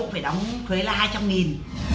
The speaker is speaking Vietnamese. phải đóng thuế là hai trăm linh nghìn